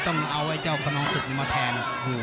ต้องเอาไอ้เจ้าขนองศึกมาแทน